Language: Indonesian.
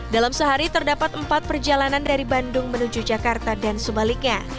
dalam sehari terdapat empat perjalanan dari bandung menuju jakarta dan sebaliknya